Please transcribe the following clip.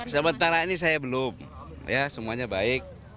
sebentar ini saya belum semuanya baik